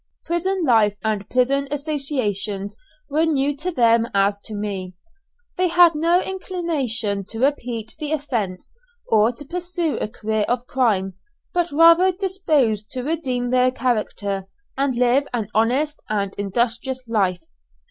Prison life and prison associations were new to them as to me. They had no inclination to repeat the offence, or to pursue a career of crime, but rather disposed to redeem their character, and live an honest and industrious life.